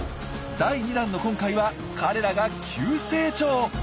第２弾の今回は彼らが急成長！